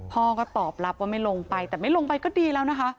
พ่อก็ตอบรับว่าไม่ลงไปแต่ไม่ลงไปก็ดีแล้วนะคะ